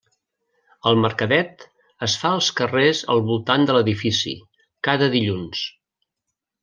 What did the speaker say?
El mercadet es fa als carrers al voltant de l'edifici, cada dilluns.